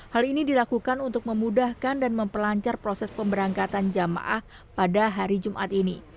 hal ini dilakukan untuk memudahkan dan mempelancar proses pemberangkatan jamaah pada hari jumat ini